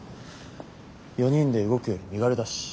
４人で動くより身軽だし。